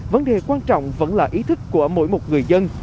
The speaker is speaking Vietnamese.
vấn đề quan trọng vẫn là ý thức của mỗi một người dân